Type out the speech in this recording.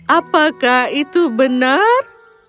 apakah itu benar